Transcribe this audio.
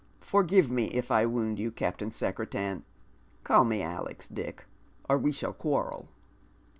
Forgive me if I wound you, Captam Secre tan " "Call me Alex, Dick, or we shall quarrel."